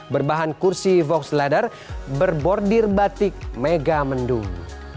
berbahan kursi vox leather berbordir batik mega mendung